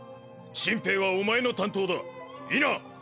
新兵はお前の担当だ。いいな！